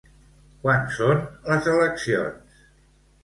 Quan són les eleccions?